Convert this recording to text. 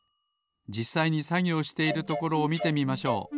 じっさいにさぎょうしているところをみてみましょう。